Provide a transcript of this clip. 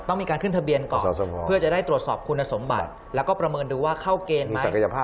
ต้องมีการขึ้นทะเบียนก่อนเพื่อจะได้ตรวจสอบคุณสมบัติแล้วก็ประเมินดูว่าเข้าเกณฑ์ไหม